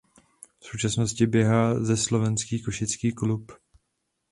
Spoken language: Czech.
V současnosti běhá za slovenský Košický klub.